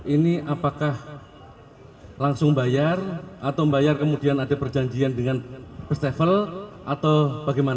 ini apakah langsung bayar atau bayar kemudian ada perjanjian dengan first travel atau bagaimana